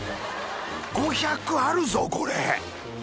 ５００あるぞこれ。